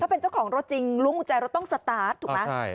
เป็นเจ้าของรถจริงลุ้งกุญแจรถต้องสตาร์ทถูกไหม